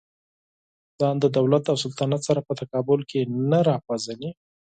ځان د دولت او سلطنت سره په تقابل کې نه راپېژني.